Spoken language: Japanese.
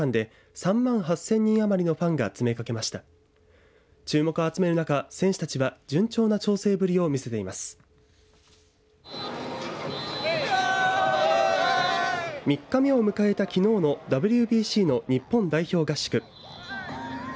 ３日目を迎えたきのうのＷＢＣの日本代表合宿。